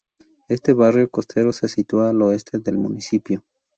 Este barrio costero se sitúa al oeste del municipio.